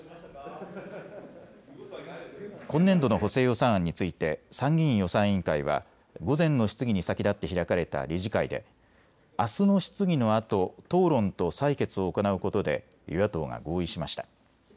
今年度の補正予算案について参議院予算委員会は午前の質疑に先立って開かれた理事会であすの質疑のあと討論と採決を行うことで与野党が合意しました。